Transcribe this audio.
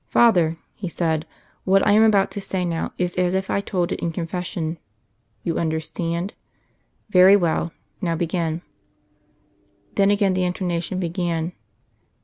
"Father," he said, "what I am about to say now is as if I told it in confession. You understand? Very well. Now begin." Then again the intonation began.